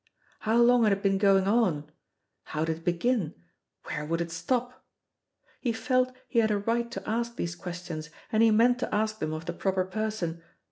How long had it been going on? How did it begin? Where would it stop? He felt he had a right to ask these questions, and he meant to ask them of the proper person.